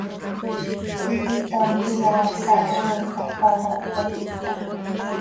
Cmiique ctam quih aal xaha oeen xah, taax ah iicp cömaticpan.